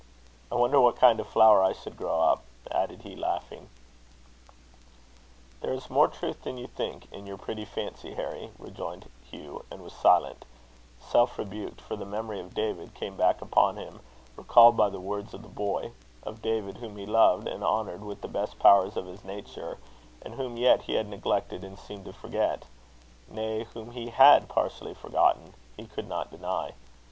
I wonder what kind of flower I should grow up," added he, laughing. "There is more truth than you think, in your pretty fancy, Harry," rejoined Hugh, and was silent self rebuked; for the memory of David came back upon him, recalled by the words of the boy; of David, whom he loved and honoured with the best powers of his nature, and whom yet he had neglected and seemed to forget; nay, whom he had partially forgotten he could not deny.